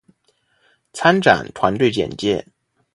参展团队简介